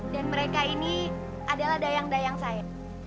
dan mereka ini adalah dayang dayang saya